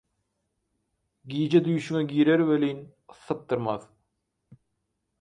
giýje düýşüňe girer welin – sypdyrmaz.